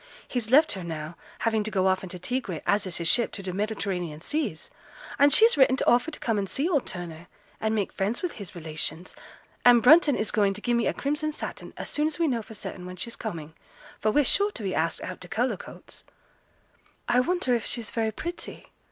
He's left her now, having to go off in t' Tigre, as is his ship, to t' Mediterranean seas; and she's written to offer to come and see old Turner, and make friends with his relations, and Brunton is going to gi'e me a crimson satin as soon as we know for certain when she's coming, for we're sure to be asked out to Cullercoats.' 'I wonder if she's very pretty?'